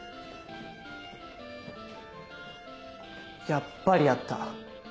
やっぱりあった。